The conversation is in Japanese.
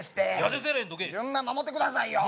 順番守ってくださいよ